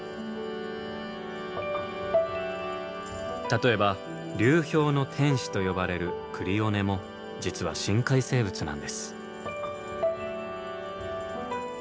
例えば流氷の天使と呼ばれるクリオネも実は深海生物なんです。